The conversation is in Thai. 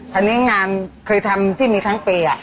งานนี้งานเคยทำที่มีทั้งปี